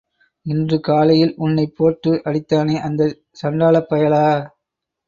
இன்று காலையில் உன்னைப் போட்டு அடித்தானே அந்தச் சண்டாளப் பயலா?